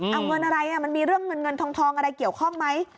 เอาเงินอะไรมันมีเรื่องเงินเงินทองอะไรเกี่ยวข้องไหม